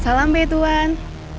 salam b tuhan